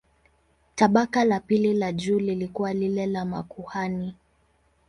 Tabaka la pili la juu lilikuwa lile la makuhani.